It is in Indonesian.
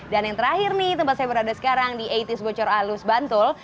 dan yang terakhir nih tempat saya berada sekarang di delapan puluh 's bocor alus bantul